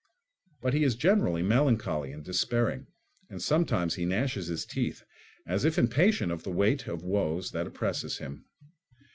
But he is generally melancholy and despairing, and sometimes he gnashes his teeth, as if impatient of the weight of woes that oppresses him.